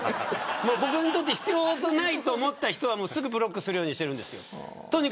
僕にとって必要ないと思った人はすぐブロックするようにしてるんです。